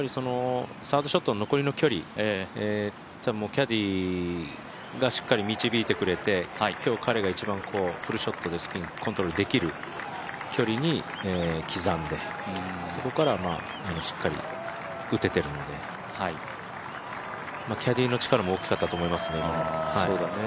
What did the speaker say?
サードショットの残りの距離を、キャディーがしっかり導いてくれて今日、彼が一番、フルショットでスピンコントロールできる距離に刻んでそこからしっかり打てているので、キャディーの力も大きかったと思いますね。